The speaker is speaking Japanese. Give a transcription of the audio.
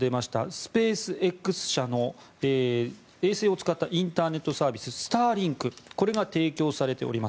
スペースＸ社の衛星を使ったインターネットサービススターリンクこれが提供されております。